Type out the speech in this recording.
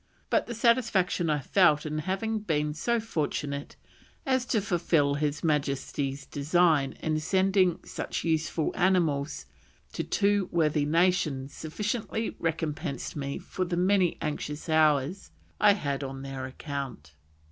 But the satisfaction I felt in having been so fortunate as to fulfil His Majesty's design in sending such useful animals to two worthy nations sufficiently recompensed me for the many anxious hours I had on their account."